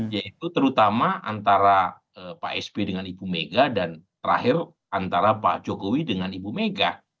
yaitu terutama antara pak sby dengan ibu mega dan terakhir antara pak jokowi dengan ibu mega